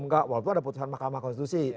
enggak waktu itu ada putusan mahkamah konstitusi